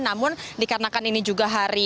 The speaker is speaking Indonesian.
namun dikarenakan ini juga hari